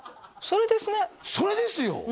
それですねそれですよ